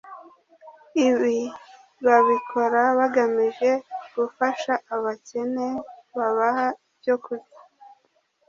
ibi babikora bagamije gufasha abakene babaha ibyo kurya